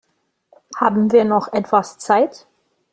Haben wir noch etwas Zeit?